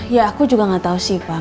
ya aku juga gak tau sih pak